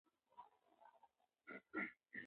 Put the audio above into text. فقره د موضوع پراختیا کوي.